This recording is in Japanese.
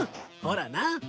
ほらな。